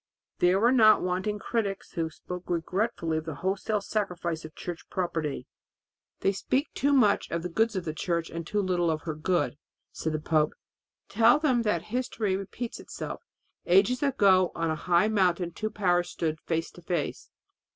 There were not wanting critics who spoke regretfully of the wholesale sacrifice of church property. "They speak too much of the goods of the Church and too little of her good," said the pope. "Tell them that history repeats itself. Ages ago on a high mountain two powers stood face to face.